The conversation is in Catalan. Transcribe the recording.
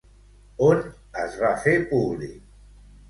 On es va fer públic?